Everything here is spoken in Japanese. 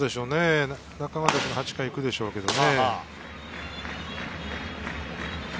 中川投手が８回いくでしょうけどね。